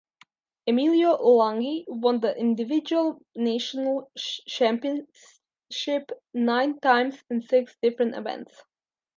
Emilio Lunghi won the individual national championship nine times in six different events.